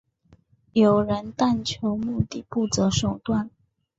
有人但求目的不择手段。